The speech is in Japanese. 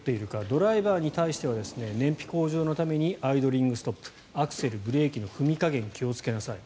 ドライバーに対しては燃費向上のためにアイドリングストップアクセル、ブレーキの踏み加減気をつけなさい。